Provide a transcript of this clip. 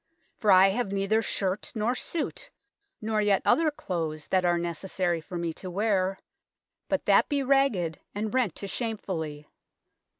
for I have neither shirt nor sute, nor yett other clothes, that ar necessary for me to wear, but that bee ragged and rent to shamefully.